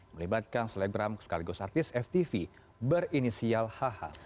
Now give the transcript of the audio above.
melibatkan selebgram sekaligus artis ftv berinisial hh